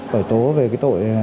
phải tố về tội